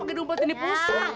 pake dompet ini pusing